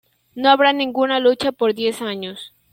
No habrá ninguna lucha por diez años.